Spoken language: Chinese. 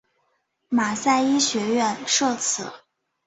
马赛医学院设此。